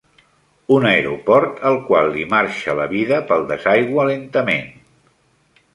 Un aeroport al qual li marxa la vida pel desaigüe lentament.